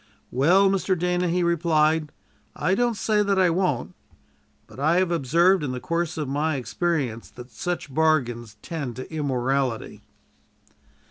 "Well, Mr. Dana," he replied, "I don't say that I won't; but I have observed in the course of my experience that such bargains tend to immorality."